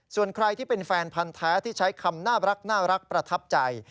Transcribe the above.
ส่วนใครที่เป็นแฟนพันธ์แท้ที่ใช้คำน่ารักประทับใจ